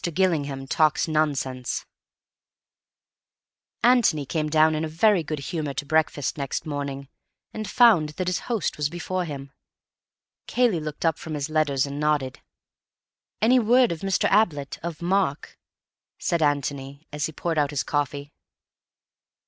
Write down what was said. Gillingham Talks Nonsense Antony came down in a very good humour to breakfast next morning, and found that his host was before him. Cayley looked up from his letters and nodded. "Any word of Mr. Ablett—of Mark?" said Antony, as he poured out his coffee.